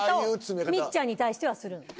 みっちゃんに対してはするの。